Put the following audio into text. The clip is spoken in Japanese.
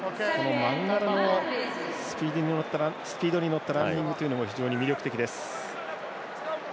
マンガラもスピードに乗ったランニングというのも非常に魅力的です。